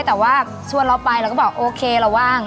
แต่ว่าชวนเราไปเราก็บอกโอเคเราว่าง